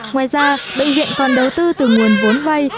ngoài ra bệnh viện còn đầu tư từ nguồn vốn vay